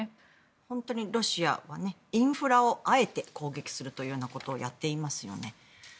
本当にロシアがインフラをあえて攻撃するということをやってますよね。